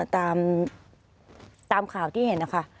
แต่ตามข่าวที่เห็นค่ะ